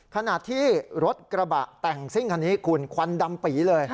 ขณะที่รถกระบะแต่งซิ่งคันนี้คุณควันดำปีเลย